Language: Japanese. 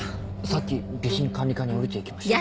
さっき備品管理課に下りて行きました。